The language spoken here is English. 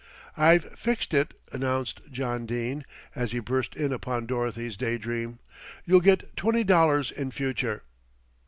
"I've fixed it," announced John Dene, as he burst in upon Dorothy's day dream. "You'll get twenty dollars in future."